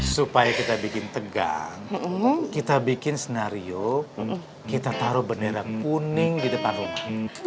supaya kita bikin tegang kita bikin scenario kita taruh bendera kuning di depan rumah